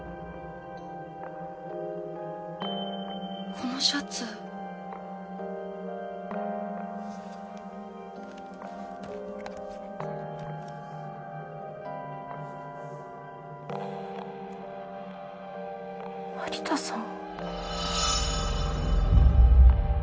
このシャツ。槙田さん？